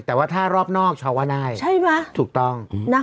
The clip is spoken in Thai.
แต่ว่าถ้ารอบนอกเช้าอะไรใช่มั้ยถูกต้องนะ